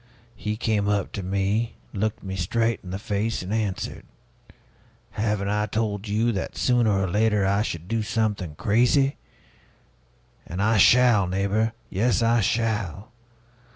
He came up to me, looked me straight in the face, and answered: 'Haven't I told you that, sooner or later, I should do something crazy? And I shall, neighbor, yes, I shall!